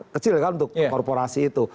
kecil kan untuk korporasi itu